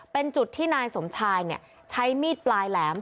เป็นจุดที่นายสมชายใช้มีดปลายแหลม